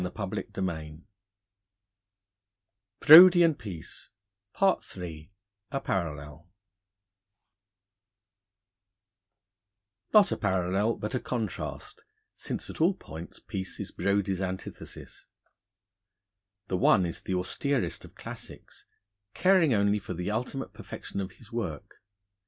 III A PARALLEL (DEACON BRODIE AND CHARLES PEACE) NOT a parallel, but a contrast, since at all points Peace is Brodie's antithesis. The one is the austerest of Classics, caring only for the ultimate perfection of his work.